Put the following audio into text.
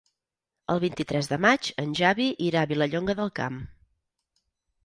El vint-i-tres de maig en Xavi irà a Vilallonga del Camp.